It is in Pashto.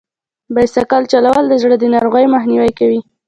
بایسکل چلول د زړه د ناروغیو مخنیوی کوي.